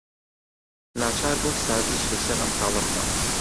ناچار بووم سازش لەسەر ئەم خاڵە بکەم.